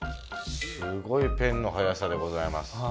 すごいペンのはやさでございます。